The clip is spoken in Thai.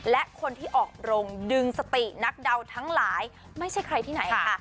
และคนที่ออกโรงดึงสตินักเดาทั้งหลายไม่ใช่ใครที่ไหนค่ะ